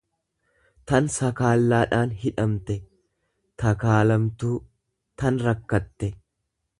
tan sakaallaadhaan hidhamte, takaalamtuu.tan rakkatte.